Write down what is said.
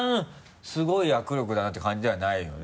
すごい握力だなって感じではないよね？